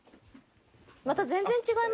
また全然違いますね。